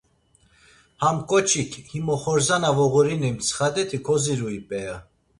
Ham ǩoçik, him oxorza na voğurini mtsxadeti kozirui p̌ea?